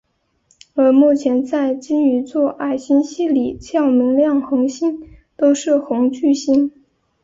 而目前在鲸鱼座矮星系里较明亮恒星都是红巨星。